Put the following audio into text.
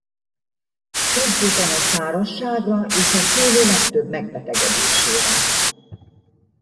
Érzékeny a szárazságra és a szőlő legtöbb megbetegedésére.